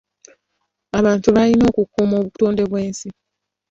Abantu balina okukuuma obutonde bw'ensi.